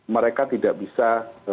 mereka tidak bisa